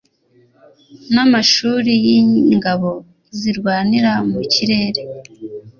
n‘amashuri y’Ingabo zirwanira mu Kirere